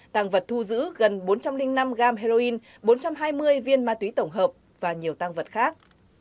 tàng vật thu giữ gần bốn trăm linh năm gram heroin bốn trăm hai mươi viên ma túy tổng hợp và nhiều tăng vật khác